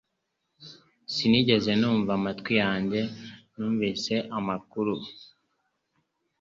Sinigeze numva amatwi yanjye numvise amakuru